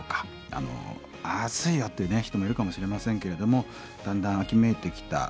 あの暑いよっていうね人もいるかもしれませんけれどもだんだん秋めいてきた